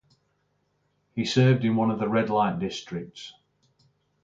He served in one of the red light districts.